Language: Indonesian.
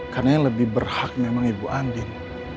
karena yang lebih berhak memang ibu andieng